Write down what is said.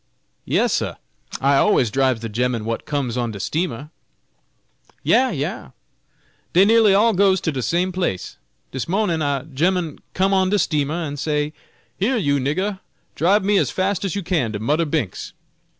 "Yes, sah! I always dribes the gemmen what comes on de steamer. Ya, ha! Dey nearly all goes to de same place. Dis mornin' a gemmen come on de steamer, an' say, 'Here, you nigga, dribe me as fas' as you can to Mudder Bink's.'